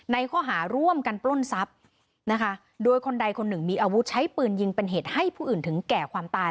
ในข้อหาร่วมกันปล้นทรัพย์นะคะโดยคนใดคนหนึ่งมีอาวุธใช้ปืนยิงเป็นเหตุให้ผู้อื่นถึงแก่ความตาย